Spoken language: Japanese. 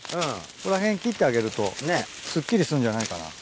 ここら辺切ってあげるとすっきりすんじゃないかな。